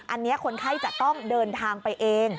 อันนี้คนไข้จะต้องเดินทางไปเอง